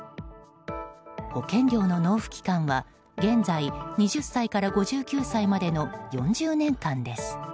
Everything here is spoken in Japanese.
保険料の納付期間は現在２０歳から５９歳までの４０年間です。